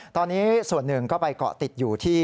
ตอนนี้ส่วนหนึ่งก็ไปเกาะติดอยู่ที่